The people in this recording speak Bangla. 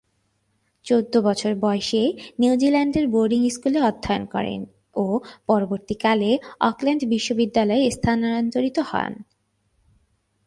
চৌদ্দ বছর বয়সে নিউজিল্যান্ডের বোর্ডিং স্কুলে অধ্যয়ন করেন ও পরবর্তীকালে অকল্যান্ড বিশ্ববিদ্যালয়ে স্থানান্তরিত হন।